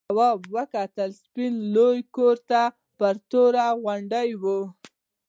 تواب وکتل سپین لوی کور پر توره غونډۍ و.